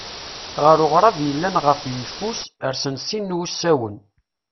Ɣer uɣrab yellan ɣef yeffus, rsen sin n wusawen.